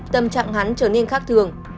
tâm trạng hắn trở nên khác thường